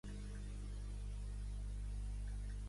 El carrer Barcelona, juntament amb el carrer de Corró, constituïa.